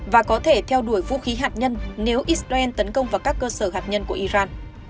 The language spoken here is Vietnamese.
và có thể theo đuổi vũ khí hạt nhân nếu israel tấn công vào các cơ sở hạt nhân của iran